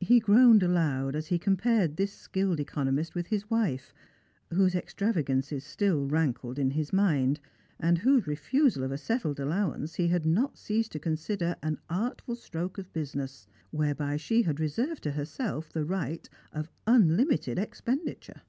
He groaned aloud as he compared this skilled econo mist with his wife, whose extravagances still rankled in his mind, and whose refusal of a settled allowance he had not ceased to consider an artful stroke of business, whereby she had reserved to herself the right of unlimited expenditure.